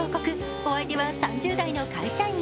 お相手は３０代の会社員。